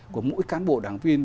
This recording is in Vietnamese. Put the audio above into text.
của mỗi cán bộ đảng viên